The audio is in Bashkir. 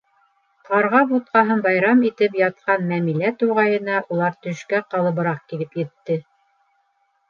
Ҡарға бутҡаһын байрам итеп ятҡан Мәмилә туғайына улар төшкә ҡалыбыраҡ килеп етте.